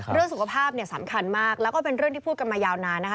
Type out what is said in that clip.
เรื่องสุขภาพเนี่ยสำคัญมากแล้วก็เป็นเรื่องที่พูดกันมายาวนานนะคะ